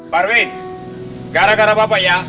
parwin gara gara bapak ya